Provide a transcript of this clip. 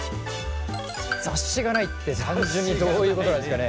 「雑誌がない」って単純にどういうことなんですかね？